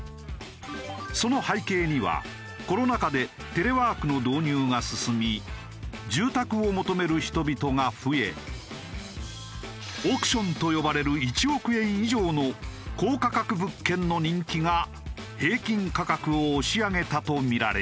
その背景にはコロナ禍でテレワークの導入が進み住宅を求める人々が増え億ションと呼ばれる１億円以上の高価格物件の人気が平均価格を押し上げたとみられる。